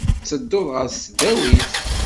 Ttedduɣ ɣer tesdawit.